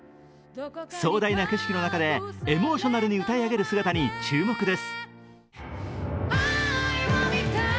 壮大な景色の中でエモーショナルに歌い上げる姿に注目です。